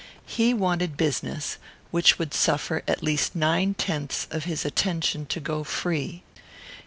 He wanted business which would suffer at least nine tenths of his attention to go free.